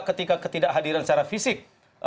ketika ketidakhadiran secara fisik